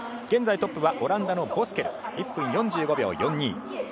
現在トップはオランダのボスケルで１分４５秒４２。